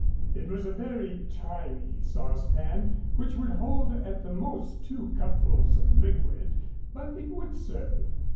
It was a very tiny saucepan, which would hold at the most two cupfuls of liquid, but it would serve.